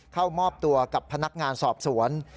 เข้ามอบตัวกับพนักงานสอบสวน